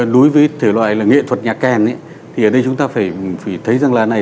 đối với thể loại là nghệ thuật nhà kèn thì ở đây chúng ta phải thấy rằng là này